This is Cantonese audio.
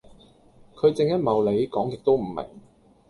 佢正一茂里，講極都唔明